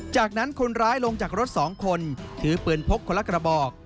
จากนั้นคนร้ายลงจากรถ๒คนถือปืนพกคนละกระบอก